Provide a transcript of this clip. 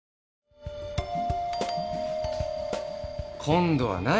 今度は何？